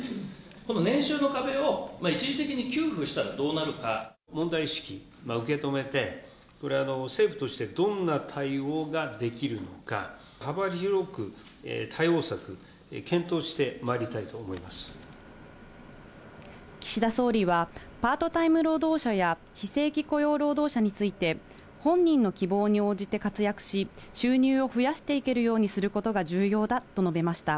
この年収の壁を、一時的に給付し問題意識、受け止めて、これは政府としてどんな対応ができるのか、幅広く対応策、検討し岸田総理は、パートタイム労働者や、非正規雇用労働者について、本人の希望に応じて活躍し、収入を増やしていけるようにすることが重要だと述べました。